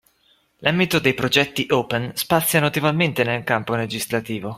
L'ambito dei progetti open spazia notevolmente nel campo legislativo